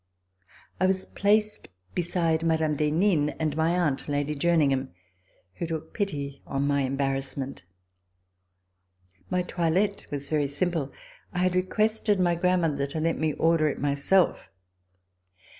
I was placed beside Mme. d'Henin and my aunt Lady Jerningham, who took pity on m.y embarrassment. My toilette was very simple. I had requested my grandmother to let me order it myself.